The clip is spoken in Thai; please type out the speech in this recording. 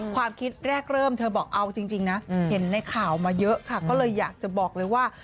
ความคิดแรกเริ่มเธอบอกเอาจริงนะเห็นในข่าวมาเยอะค่ะก็เลยอยากจะบอกเลยว่า